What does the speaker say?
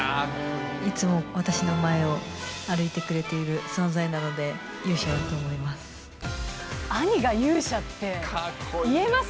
いつも私の前を歩いてくれている存在なので、勇者だと思います。